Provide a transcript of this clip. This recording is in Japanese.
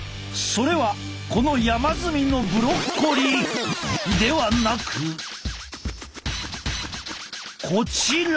それはこの山積みのブロッコリーではなくこちら。